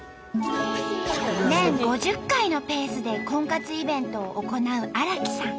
年５０回のペースで婚活イベントを行う荒木さん。